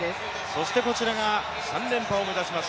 そしてこちらが３連覇を目指します